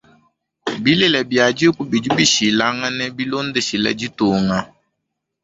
Bilele bia dîku bidi bishilangane bilondeshile ditunga.